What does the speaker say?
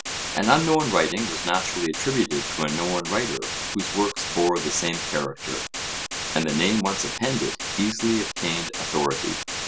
An unknown writing was naturally attributed to a known writer whose works bore the same character; and the name once appended easily obtained authority.